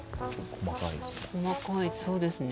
細かいそうですね。